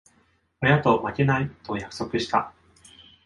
親と負けない、と約束した。